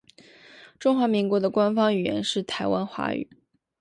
中华民国的官方语言是台湾华语。